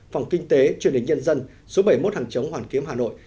phòng kinh tế truyền hình nhân dân số bảy mươi một hàng chống hoàn kiếm hà nội